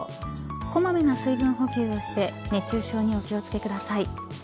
こまめな水分補給をして熱中症にお気を付けください。